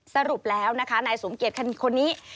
สรุปแล้วนะคะนายสมเกียจคนนี้